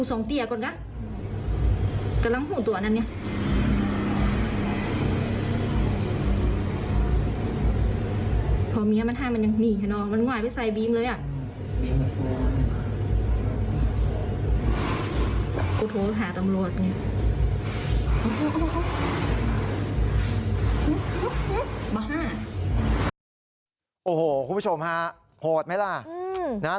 โอ้โหคุณผู้ชมฮะโหดไหมล่ะ